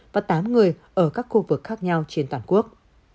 và tám người ở các khu vực khác nhau trên toàn quốc